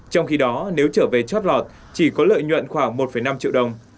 trong khi đó nếu trở về chót lọt chỉ có lợi nhuận khoảng một năm triệu đồng